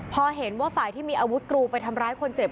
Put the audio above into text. พอเห็นว่าฝ่ายที่มีอาวุธกรูไปทำร้ายคนเจ็บ